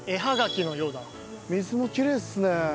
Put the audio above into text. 水もきれいですね。